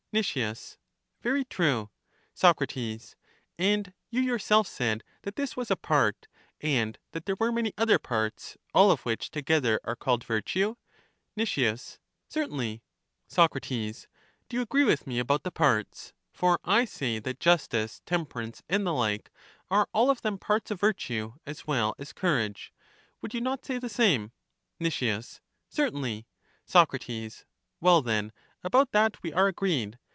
Nic, Very true. Soc, And you yourself said that this was a part, and that there were many other parts, all of which to gether are called virtue. Nic. Certainly. Soc, Do you agree with me about the parts? For I say that justice, temperance, and the like, are all of I LACHES 115 them parts of virtue as well as courage. Would you not say the same ? Nic, Certainly. Soc. Well then, about that we are agreed.